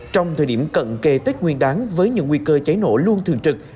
trong thời điểm cận kề tết nguyên đáng với những nguy cơ cháy nổ luôn thường trực